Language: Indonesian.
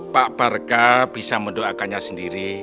pak barka bisa mendoakannya sendiri